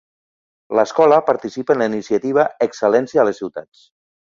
L'escola participa en la iniciativa "Excel·lència a les ciutats".